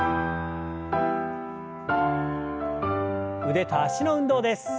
腕と脚の運動です。